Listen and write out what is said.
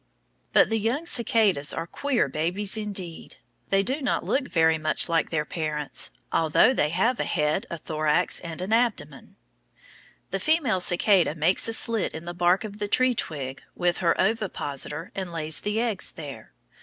But the young cicadas are queer babies, indeed. They do not look very much like their parents, although they have a head, a thorax, and an abdomen. The female cicada makes a slit in the bark of the tree twig with her ovipositor and lays the eggs there.